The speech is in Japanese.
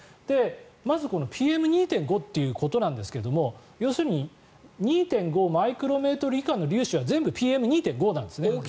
まずＰＭ２．５ということですが要するに２．５マイクロメートル以下の粒子は全部ＰＭ２．５なんですね。